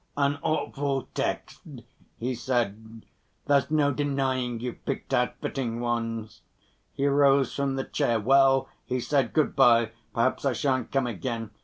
"An awful text," he said. "There's no denying you've picked out fitting ones." He rose from the chair. "Well!" he said, "good‐by, perhaps I shan't come again